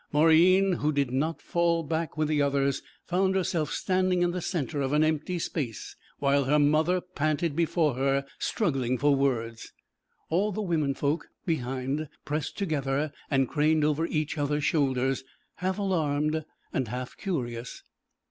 Mauryeen, who did not fall back with the others, found herself standing in the centre of an empty space, while her mother panted before her, struggling for words. All the women folk behind pressed together and craned over each other's shoulders, half alarmed and half curious.